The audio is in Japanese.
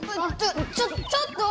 ちょっと！